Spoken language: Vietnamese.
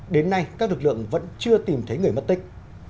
đến nay các lực lượng vẫn chưa tìm thấy người mất tích